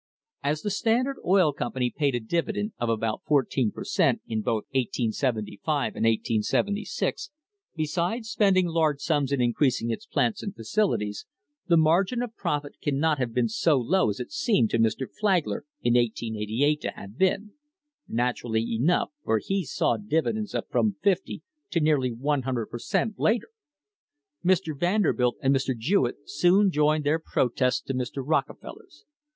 As the Standard Oil Company paid a dividend of about fourteen per cent, in both 1875 and 1876, besides spending large sums in increasing its plants and facilities, the margin of profit cannot have been so low as it seemed to Mr. Flagler in 1888 to have been; naturally enough, for he saw dividends of from fifty to nearly 100 per cent, later. Mr. Vanderbilt and Mr. Jewett soon joined their protests to Mr. Rockefeller's.